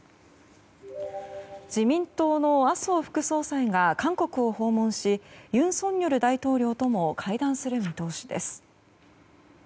自民党の麻生副総裁が韓国を訪問し尹錫悦大統領とも会談する見通しです。